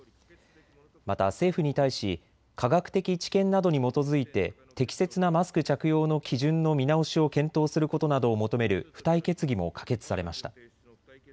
また政府に対し科学的知見などに基づいて適切なマスク着用の基準の見直しを検討することなどを求める付帯決議も可決されました。